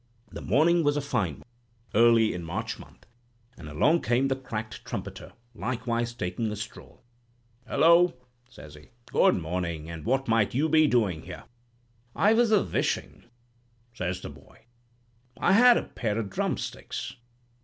The morning was a fine one, early in March month; and along came the cracked trumpeter, likewise taking a stroll. "'Hullo!' says he; 'good mornin'! And what might you be doin' here?' "'I was a wishin',' says the boy, 'I had a pair o' drumsticks.